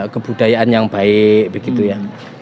kebudayaan yang baik begitu ya